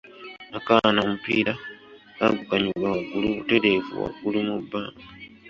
Akaana omupiira kagukanyuka waggulu butereevu waggulu mu bbanga.